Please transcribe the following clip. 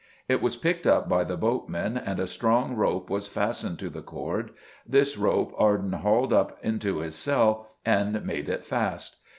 It was picked up by the boatmen, and a strong rope was fastened to the cord. This rope Arden hauled up into his cell and made it fast.